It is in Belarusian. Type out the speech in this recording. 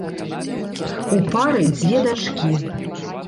У пары дзве дачкі.